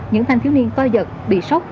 những thanh thiếu niên coi giật bị sốc